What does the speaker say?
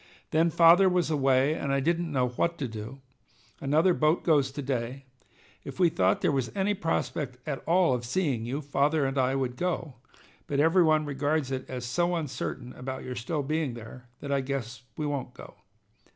Then father was away, and I didn't know what to do. Another boat goes to day. If we thought there was any prospect at all of seeing you, father and I would go, but every one regards it as so uncertain about your still being there that I guess we won't go.